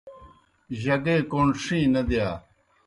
جگے کوْݨ ݜِیں نہ دِیا۔